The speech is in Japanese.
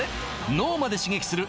脳まで刺激する！